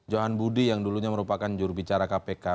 johan budi yang dulunya merupakan jurubicara kpk